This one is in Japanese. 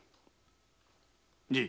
じい。